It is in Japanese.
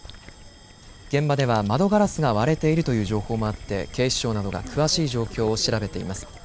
現場では窓ガラスが割れているという情報もあって警視庁などが詳しい状況を調べています。